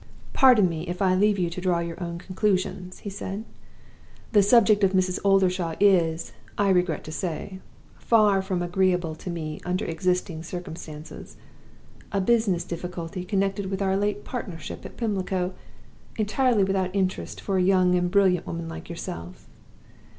"'Pardon me if I leave you to draw your own conclusions,' he said. 'The subject of Mrs. Oldershaw is, I regret to say, far from agreeable to me under existing circumstances a business difficulty connected with our late partnership at Pimlico, entirely without interest for a young and brilliant woman like yourself.